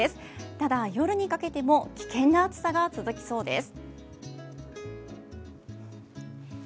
ただ夜にかけても危険な暑さが続きそうです。